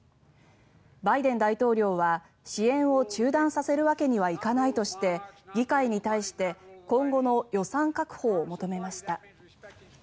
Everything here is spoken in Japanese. バイデン大統領は支援を中断させるわけにはいかないとして議会に対して今後の予算確保を求めました。